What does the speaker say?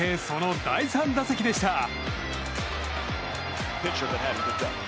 その第３打席でした。